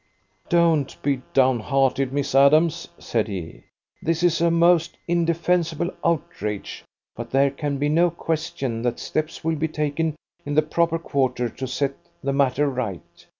"Don't be down hearted, Miss Adams," said he. "This is a most indefensible outrage, but there can be no question that steps will be taken in the proper quarter to set the matter right.